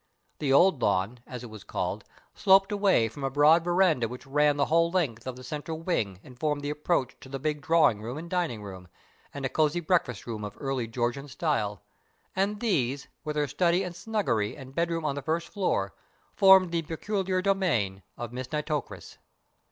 The Old Lawn, as it was called, sloped away from a broad verandah which ran the whole length of the central wing and formed the approach to the big drawing room and dining room, and a cosy breakfast room of early Georgian style, and these, with her study and "snuggery" and bedroom on the next floor, formed the peculiar domain of Miss Nitocris.